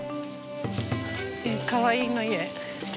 かわいい家。